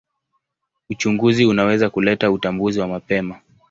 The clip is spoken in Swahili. Uchunguzi unaweza kuleta utambuzi wa mapema.